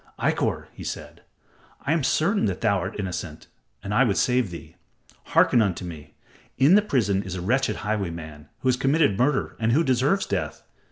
"Ikkor," he said, "I am certain that thou art innocent, and I would save thee. Hearken unto me. In the prison is a wretched highwayman who has committed murder and who deserves death.